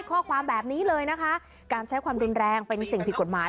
ข้อความแบบนี้เลยนะคะการใช้ความรุนแรงเป็นสิ่งผิดกฎหมาย